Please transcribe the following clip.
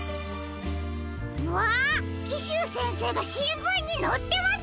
うわキシュウせんせいがしんぶんにのってますよ！